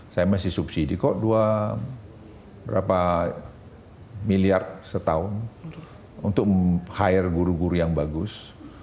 saya masih subsidi kok dua berapa miliar setahun untuk meng hire guru guru yang bagus